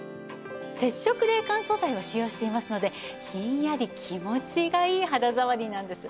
接触冷感素材を使用していますのでひんやり気持ちがいい肌触りなんです。